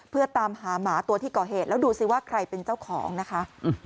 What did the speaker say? เพื่อตามหาหมาตัวที่ก่อเหตุแล้วดูสิว่าใครเป็นเจ้าของนะคะ